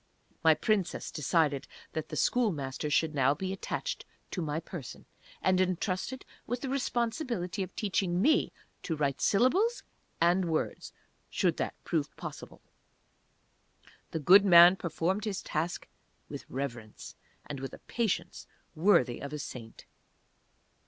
My Princess decided that the Schoolmaster should now be attached to my person, and entrusted with the responsibility of teaching me to write syllables, and words (should that prove possible). The good man performed his task with reverence, and with a patience worthy of a saint.